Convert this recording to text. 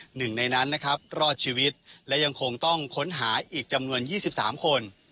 หนึ่งในนั้นนะครับรอดชีวิตและยังคงต้องค้นหาอีกจำนวน๒๓คน